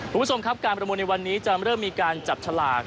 คุณผู้ชมครับการประมูลในวันนี้จะเริ่มมีการจับฉลาก